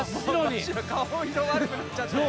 顔色悪くなっちゃって。